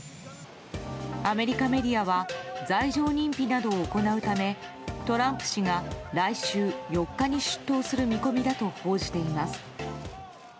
アメリカメディアは罪状認否などを行うためトランプ氏が来週４日に出頭する見込みだと報じています。